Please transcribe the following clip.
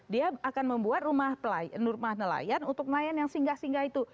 dia akan membuat rumah nelayan untuk nelayan yang singgah singgah itu